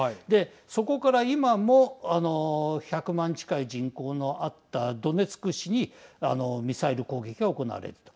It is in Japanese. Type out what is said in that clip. そこから、今も１００万近い人口のあったドネツク市にミサイル攻撃が行われていると。